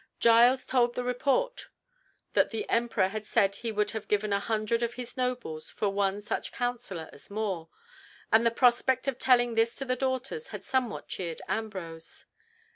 Giles told of the report that the Emperor had said he would have given a hundred of his nobles for one such councillor as More, and the prospect of telling this to the daughters had somewhat cheered Ambrose.